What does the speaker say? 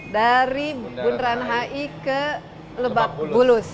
dari bundaran hi ke lebak bulus